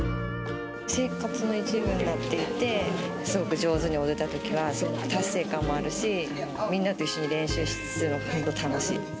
生活の一部になっていて、すごく上手に踊れたときは、すごく達成感もあるし、みんなと一緒に練習するの、本当に楽しい。